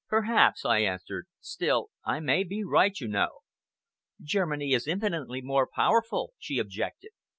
"Perhaps," I answered. "Still, I may be right, you know." "Germany is infinitely more powerful," she objected.